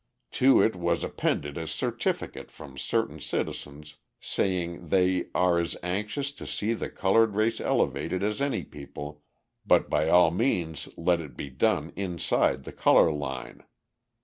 To it was appended a certificate from certain citizens, saying they 'are as anxious to see the coloured race elevated as any people, but by all means let it be done inside the colour line.'...